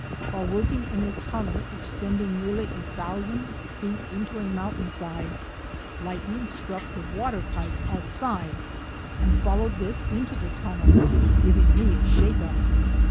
While working in a tunnel extending nearly a thousand feet into a mountainside, lightning struck the water pipe outside and followed this into the tunnel, giving me a shake up.